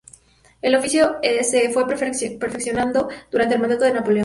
El oficio se fue perfeccionando durante el mandato de Napoleón.